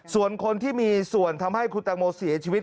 ส่วนคนที่มีส่วนทำให้คุณแตงโมเสียชีวิต